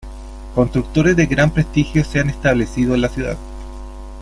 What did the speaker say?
Constructoras de gran prestigio se han establecido en la ciudad.